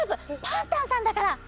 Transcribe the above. パンタンさんだから！